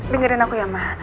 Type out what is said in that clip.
dengerin aku ya ma